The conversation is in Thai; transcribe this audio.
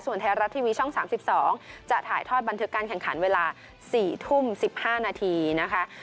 ไทยรัฐทีวีช่อง๓๒จะถ่ายทอดบันทึกการแข่งขันเวลา๔ทุ่ม๑๕นาทีนะคะ